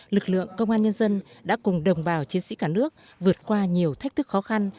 lực lượng công an nhân dân đã cùng đồng bào chiến sĩ cả nước vượt qua nhiều thách thức khó khăn